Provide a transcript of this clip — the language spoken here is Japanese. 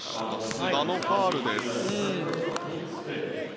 須田のファウルです。